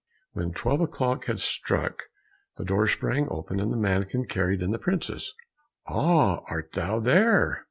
When twelve o'clock had struck, the door sprang open, and the mannikin carried in the princess. "Aha! art thou there?"